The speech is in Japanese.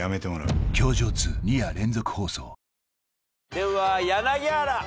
では柳原。